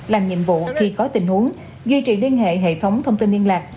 làm nhiệm vụ khi có tình huống duy trì liên hệ hệ thống thông tin liên lạc